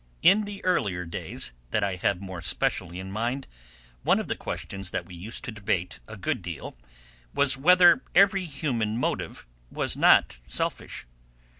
In the earlier days that I have more specially in mind one of the questions that we used to debate a good deal was whether every human motive was not selfish.